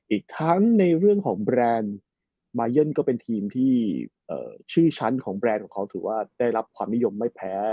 อีกทั้งในเรื่องของแบรนด์มาเยินก็เป็นทีมที่ชื่อชั้นของแบรนด์ของเขาถือว่าได้รับความนิยมไม่แพ้